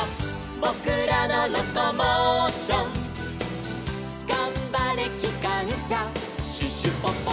「ぼくらのロコモーション」「がんばれきかんしゃシュシュポポ」